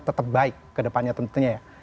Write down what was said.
tetap baik kedepannya tentunya ya